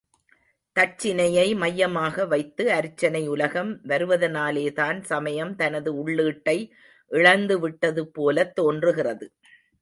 தட்சினையை மையமாக வைத்து அருச்சனை உலகம் வருவதனாலேதான் சமயம் தனது உள்ளீட்டை இழந்துவிட்டது போலத் தோன்றுகிறது.